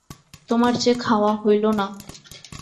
তোমার যে খাওয়া হইল না।